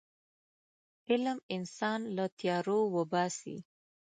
علم انسان له تیارو وباسي.